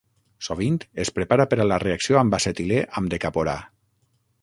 Sovint es prepara per a la reacció amb acetilè amb decaborà.